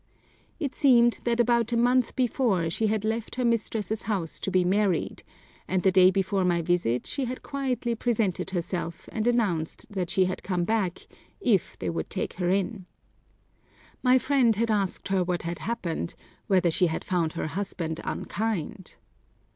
It seemed that about a month before, she had left her mistress's house to be married; and the day before my visit she had quietly presented herself, and announced that she had come back, if they would take her in. My friend had asked her what had happened, whether she had found her husband unkind.